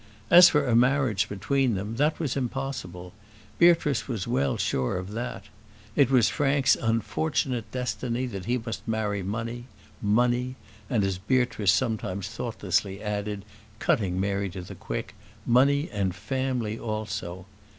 As for a marriage between them, that was impossible; Beatrice was well sure of that: it was Frank's unfortunate destiny that he must marry money money, and, as Beatrice sometimes thoughtlessly added, cutting Mary to the quick, money and family also.